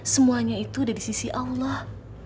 semuanya itu udah di sisi allah